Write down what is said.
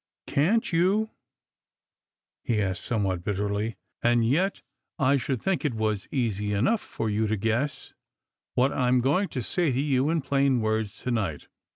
" Can't you ?" he asked somewhat bitterly. " And yet I should think it was easy enough for you to guess what I'm going to say to you in plain words to night.